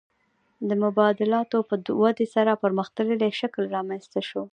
د مبادلاتو په ودې سره پرمختللی شکل رامنځته شو